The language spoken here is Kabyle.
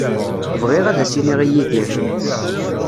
Bɣiɣ ad as-iniɣ i Yidir.